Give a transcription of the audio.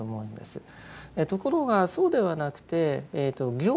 ところがそうではなくて「行」